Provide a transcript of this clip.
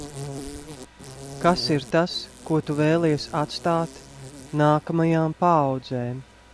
Kas ir tas, ko tu vēlies atstāt nākamajām paaudzēm?